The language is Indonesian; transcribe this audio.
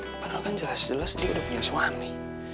padahal kan jelas jelas dia udah punya suami